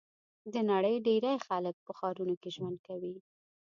د نړۍ ډېری خلک په ښارونو کې ژوند کوي.